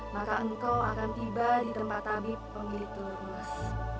maka engkau akan tiba di tempat tabib pemilik telur emas